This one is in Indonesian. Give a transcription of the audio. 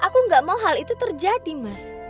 semua hal itu terjadi mas